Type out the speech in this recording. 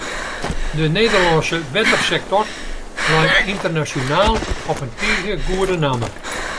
De Nederlânske wettersektor leit ynternasjonaal op in tige goede namme.